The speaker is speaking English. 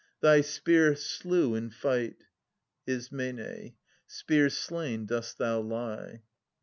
Thy spear slew in fight. Is. Spear slain dost thou lie.